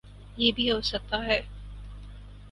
یہ بھی ہوسکتا ہے